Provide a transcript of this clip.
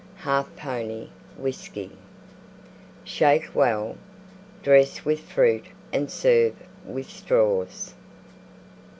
1/2 pony Whiskey. Shake well; dress with Fruit and serve with Straws.